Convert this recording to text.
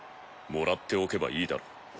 もらっておけばいいだろう。